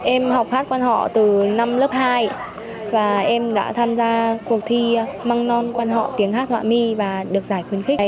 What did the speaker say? em học hát quan họ từ năm lớp hai và em đã tham gia cuộc thi mang non quan họ tiếng hát họa mi và được giải khuyến khích